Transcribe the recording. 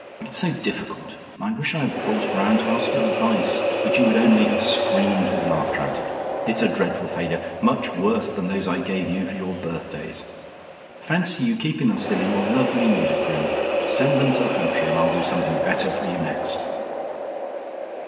But it's so difficult. I wish I had brought it round to ask your advice, but you would only have screamed with laughter at it. It's a dreadful failure: much worse than those I gave you for your birthdays. Fancy your keeping them still in your lovely music room. Send them to the pantry, and I'll do something better for you next."